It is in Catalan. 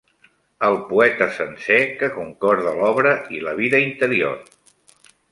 El poeta sencer que concorda l'obra i la vida interior